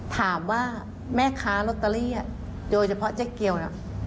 ถามว่าแม่ค้าลอตเตอรี่โดยเฉพาะเจ๊เกียวเนี่ย